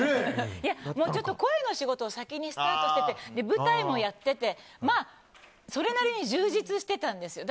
声の仕事を先にスタートしてて舞台もやっててそれなりに充実してたんですよ。